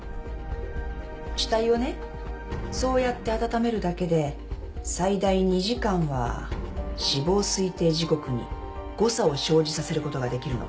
そうやって温めるだけで最大２時間は死亡推定時刻に誤差を生じさせることができるの。